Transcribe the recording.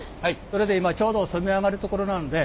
それで今ちょうど染め上がるところなんで。